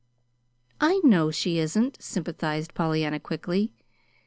"I know she isn't," sympathized Pollyanna quickly.